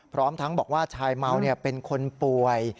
พร้อมทั้งบอกว่าชายเมาเป็นคนป่วย